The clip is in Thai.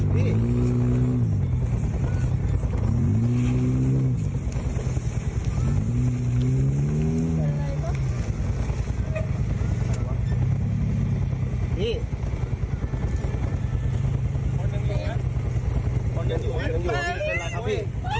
พี่